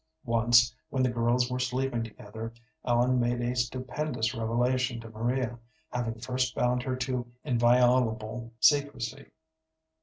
Once, when the girls were sleeping together, Ellen made a stupendous revelation to Maria, having first bound her to inviolable secrecy.